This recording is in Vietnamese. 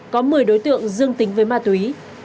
có một mươi đối tượng dương tính với ma túy